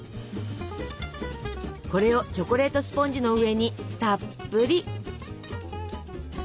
これをチョコレートスポンジの上にたっぷり。